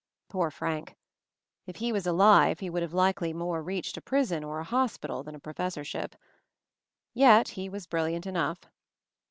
Poor Frank ! If he was alive he would have more likely reached a prison or a hospital than a professorship. Yet he was brilliant enough.